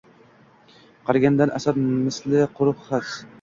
Qariganman, asab misli quruq xas